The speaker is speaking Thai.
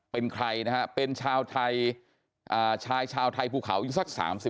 เป็นใครนะฮะเป็นชาวไทยชายชาวไทยภูเขาอีกสัก๓๐